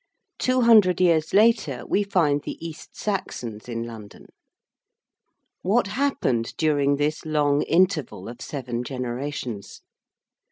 Two hundred years later we find the East Saxons in London. What happened during this long interval of seven generations?